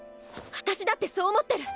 私だってそう思ってる！